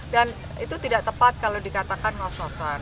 dan itu tidak tepat kalau dikatakan ngos ngosan